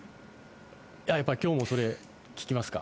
やっぱきょうもそれ、聞きますか？